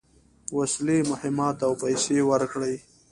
وسلې، مهمات او پیسې ورکړې.